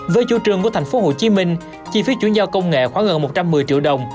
với chủ trương của thành phố hồ chí minh chi phí chủ nhau công nghệ khoảng gần một trăm một mươi triệu đồng